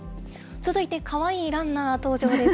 続いて、かわいいランナー登場です。